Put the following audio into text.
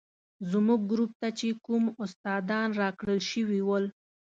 زموږ ګروپ ته چې کوم استادان راکړل شوي ول.